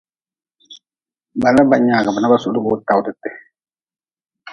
Bala ba nyagbe na ba suhdgi wi tawdte.